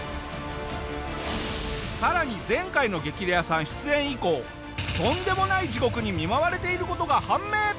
さらに前回の『激レアさん』出演以降とんでもない地獄に見舞われている事が判明！